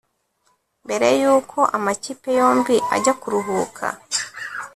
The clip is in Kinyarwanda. Mbere yuko amakipe yombi ajya kuruhuka